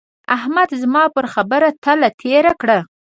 احمد زما پر خبره تله تېره کړه.